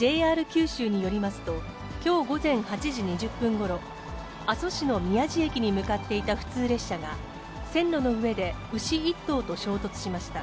ＪＲ九州によりますと、きょう午前８時２０分ごろ、阿蘇市の宮地駅に向かっていた普通列車が、線路の上で牛１頭と衝突しました。